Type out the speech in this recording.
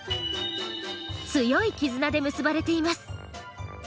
強い絆で結ばれています。